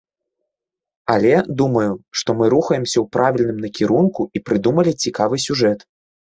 Але, думаю, што мы рухаемся ў правільным накірунку і прыдумалі цікавы сюжэт.